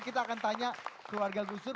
kita akan tanya keluarga gus dur